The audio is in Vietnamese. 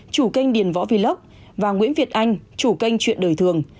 chủ kênh điền võ vlog và nguyễn việt anh chủ kênh chuyện đời thường